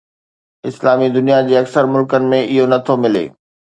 اسلامي دنيا جي اڪثر ملڪن ۾ اهو نه ٿو ملي.